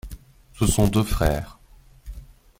Ce sont deux frères.